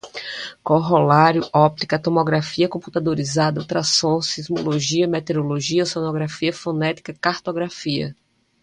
corolário, óptica, tomografia computadorizada, ultrassom, sismologia, meteorologia, oceanografia, fonética, cartografia